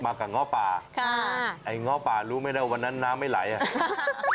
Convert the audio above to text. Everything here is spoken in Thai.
กับง้อป่าค่ะไอ้ง้อป่ารู้ไหมนะวันนั้นน้ำไม่ไหลอ่ะ